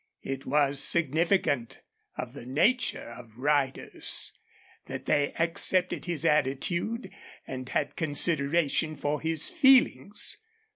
It was significant of the nature of riders that they accepted his attitude and had consideration for his feelings.